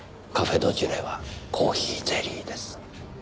カフェ・ド・ジュレはコーヒーゼリーです。